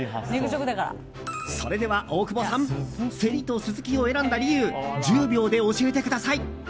それでは大久保さんセリとスズキを選んだ理由を１０秒で教えてください。